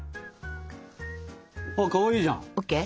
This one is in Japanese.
あっかわいいじゃん。ＯＫ？